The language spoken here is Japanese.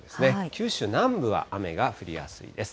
九州南部は雨が降りやすいです。